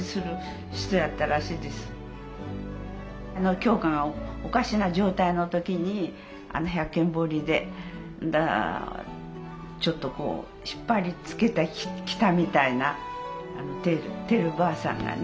鏡花がおかしな状態の時に百間堀で引っ張りつけてきたみたいなてるばあさんがね。